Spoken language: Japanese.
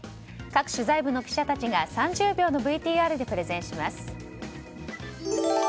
各取材部の記者たちが３０秒のＶＴＲでプレゼンします。